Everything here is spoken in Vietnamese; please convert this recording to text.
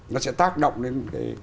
nó sẽ tác động đến